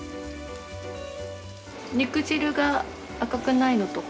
肉汁が赤くないのとか